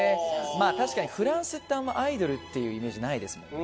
まあ確かにフランスってあんまアイドルっていうイメージないですもんね。